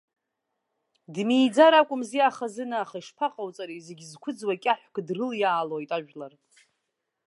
Дмиӡар акәымзи ахазына, аха ишԥаҟауҵари, зегь зқәыӡуа кьаҳәк дрылиаалоит ажәлар.